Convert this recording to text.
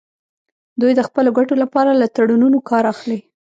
دوی د خپلو ګټو لپاره له تړونونو کار اخلي